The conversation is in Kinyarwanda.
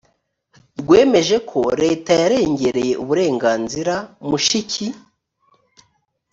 rwemeje ko leta yarengereye uburenganzira mushiki